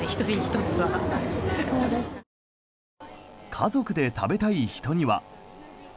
家族で食べたい人には。